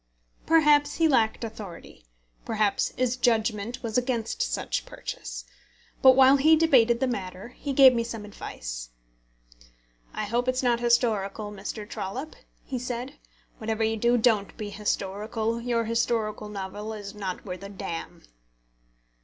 Perhaps he lacked authority. Perhaps his judgment was against such purchase. But while we debated the matter, he gave me some advice. "I hope it's not historical, Mr. Trollope?" he said. "Whatever you do, don't be historical; your historical novel is not worth a damn."